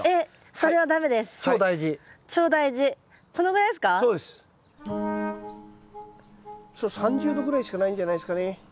それ３０度ぐらいしかないんじゃないですかね。